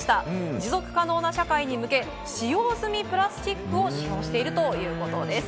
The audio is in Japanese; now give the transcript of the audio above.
持続可能な社会に向け使用済みプラスチックを使用しているということです。